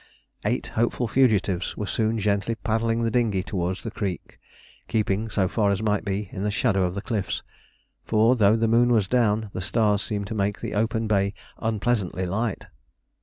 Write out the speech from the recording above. Eight hopeful fugitives were soon gently paddling the dinghy towards the creek, keeping, so far as might be, in the shadow of the cliffs; for though the moon was down, the stars seemed to make the open bay unpleasantly light.